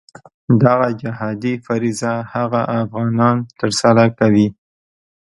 دغه جهادي فریضه هغه افغانان ترسره کوي.